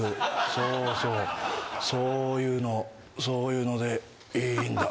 そうそうそういうのそういうのでいいんだ。